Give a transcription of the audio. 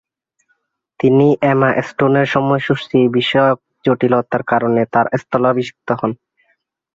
তিনি এমা স্টোনের সময়সূচি বিষয়ক জটিলতার কারণে তার স্থলাভিষিক্ত হন।